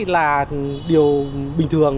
là điều bình thường